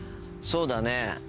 そうだね。